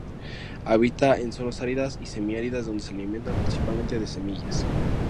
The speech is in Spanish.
Habita en zonas áridas y semiáridas donde se alimenta principalmente de semillas.